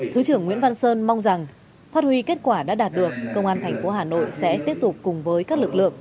thứ trưởng nguyễn văn sơn mong rằng phát huy kết quả đã đạt được công an thành phố hà nội sẽ tiếp tục cùng với các lực lượng